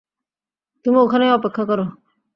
তুমি ওখানেই অপেক্ষা করো।